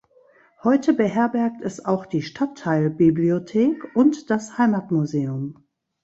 Heute beherbergt es auch die Stadtteilbibliothek und das Heimatmuseum.